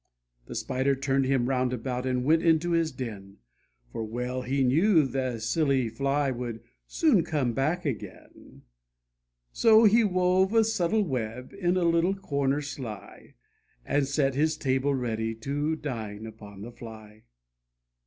The Spider turned him round about, and went into his den, For well he knew the silly Fly would soon come back again ; So he wove a subtle web in a little corner sly, And set his table ready, to dine upon the Fly.